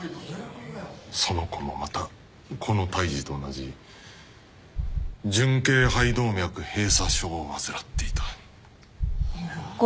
その子もまたこの胎児と同じ純型肺動脈閉鎖症を患っていた。